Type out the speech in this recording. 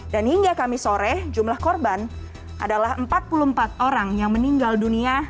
dan hingga kamis sore jumlah korban adalah empat puluh empat orang yang meninggal dunia